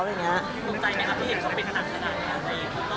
บ๊วยบ๊วยบ๊วยตกใจไหมครับพี่หญิงเขาเป็นขนาดขนาดนี้